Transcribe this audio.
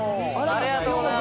ありがとうございます。